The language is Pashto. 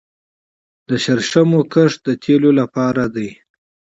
د شرشمو کښت د تیلو لپاره دی